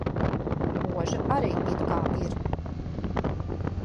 Oža arī it kā ir.